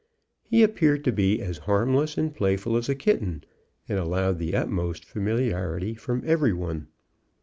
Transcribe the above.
He appeared to be as harmless and playful as a kitten, and allowed the utmost familiarity from every one.